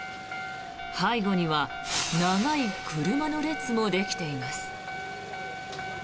背後には長い車の列もできています。